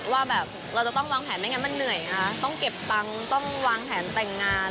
ว่าแบบเราจะต้องวางแผนไม่งั้นมันเหนื่อยค่ะต้องเก็บตังค์ต้องวางแผนแต่งงาน